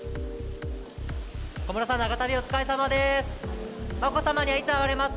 小室さん、長旅、お疲れさまです。